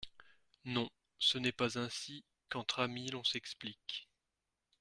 Non, ce n’est pas ainsi qu’entre amis l’on s’explique !